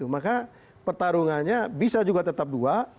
maka pertarungannya bisa juga tetap dua